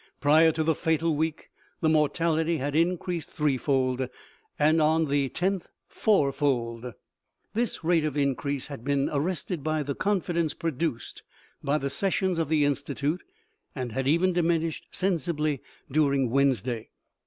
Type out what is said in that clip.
Prior to the fatal week, the mortality had increased threefold, and on the loth fourfold. This rate of increase had been arrested by the confidence produced by the ses sions of the Institute, and had even diminished sensibly during Wednesday.